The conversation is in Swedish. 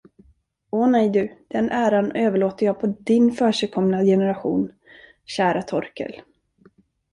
Å nej du, den äran överlåter jag på din försigkomna generation, kära Torkel.